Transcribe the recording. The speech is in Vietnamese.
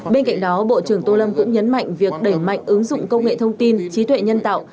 bên cạnh đó bộ trưởng tô lâm cũng nhấn mạnh việc đẩy mạnh ứng dụng công nghệ thông tin trí tuệ nhân tạo